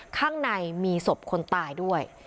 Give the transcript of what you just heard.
ข้างในมีศพคนตายด้วย